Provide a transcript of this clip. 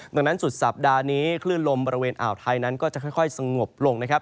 ดังนั้นสุดสัปดาห์นี้คลื่นลมบริเวณอ่าวไทยนั้นก็จะค่อยสงบลงนะครับ